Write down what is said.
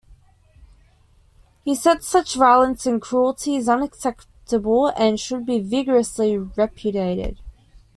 He said such violence and cruelty is unacceptable and should be vigorously repudiated.